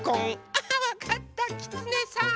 あわかったきつねさん！